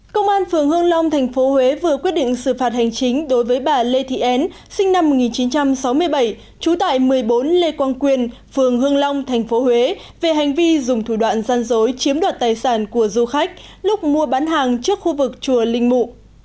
công an phường hương long thành phố huế vừa quyết định xử phạt hành chính đối với bà lê thị en sinh năm một nghìn chín trăm sáu mươi bảy trú tại một mươi bốn lê quang quyền phường hương long tp huế về hành vi dùng thủ đoạn gian dối chiếm đoạt tài sản của du khách lúc mua bán hàng trước khu vực chùa linh mụ